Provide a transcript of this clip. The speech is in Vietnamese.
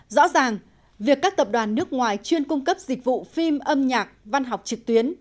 rõ ràng việc các tập đoàn nước ngoài chuyên cung cấp dịch vụ phim âm nhạc văn học trực tuyến